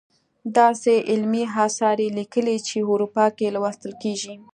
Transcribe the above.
داسې علمي اثار یې لیکلي چې په اروپا کې لوستل کیږي.